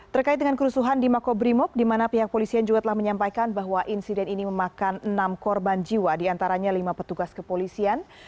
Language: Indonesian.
terkait dengan kerusuhan di makobrimob di mana pihak polisian juga telah menyampaikan bahwa insiden ini memakan enam korban jiwa diantaranya lima petugas kepolisian